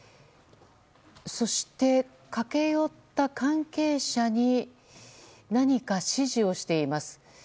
そして、駆け寄った関係者に何か指示をしています。